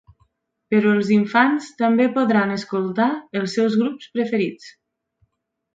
Però els infants també podran escoltar els seus grups preferits.